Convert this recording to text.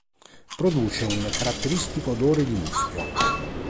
Produce un caratteristico odore di muschio.